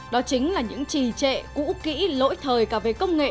đó chính là những trì trệ cũ kỹ lỗi thời cả về công nghệ